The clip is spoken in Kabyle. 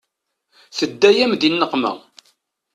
Tedda-yam di nneqma.